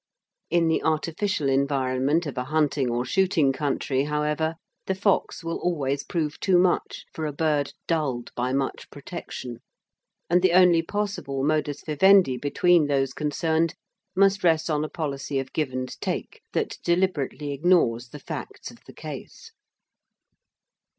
In the artificial environment of a hunting or shooting country, however, the fox will always prove too much for a bird dulled by much protection, and the only possible modus vivendi between those concerned must rest on a policy of give and take that deliberately ignores the facts of the case.